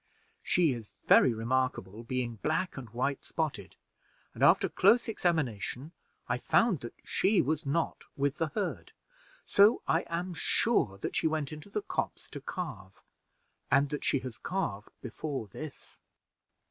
She is very remarkable, being black and white spotted; and, after close examination, I found that she was not with the herd; so I am sure that she went into the copse to calve, and that she has calved before this."